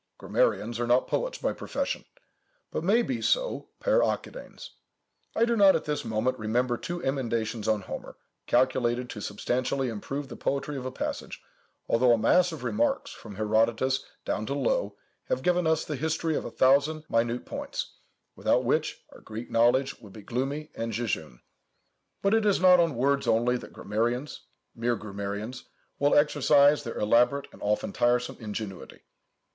Grammarians are not poets by profession, but may be so per accidens. I do not at this moment remember two emendations on Homer, calculated to substantially improve the poetry of a passage, although a mass of remarks, from Herodotus down to Loewe, have given us the history of a thousand minute points, without which our Greek knowledge would be gloomy and jejune. But it is not on words only that grammarians, mere grammarians, will exercise their elaborate and often tiresome ingenuity.